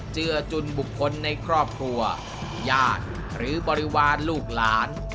เจือจุนบุคคลในครอบครัวญาติหรือบริวารลูกหลาน